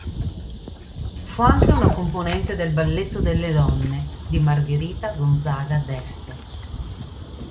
Fu anche una componente del "Balletto delle donne" di Margherita Gonzaga d'Este.